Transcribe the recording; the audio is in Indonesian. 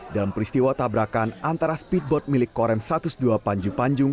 dalam peristiwa tabrakan antara speedboat milik korem satu ratus dua panju panjung